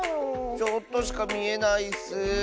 ちょっとしかみえないッス。